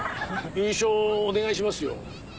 優勝お願いしますよ。